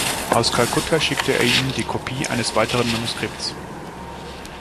Aus Kalkutta schickte er ihm die Kopie eines weiteren Manuskripts.